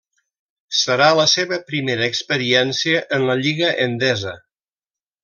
Serà la seva primera experiència en la Lliga Endesa.